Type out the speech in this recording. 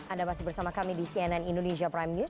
anda masih bersama kami di cnn indonesia prime news